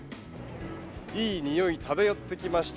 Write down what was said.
いいにおいが漂ってきました。